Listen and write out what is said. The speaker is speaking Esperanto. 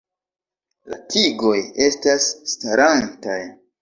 La tigoj estas starantaj.